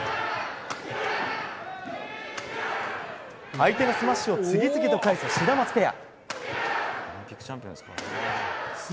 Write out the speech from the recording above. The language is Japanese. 相手のスマッシュを次々と返すシダマツペア。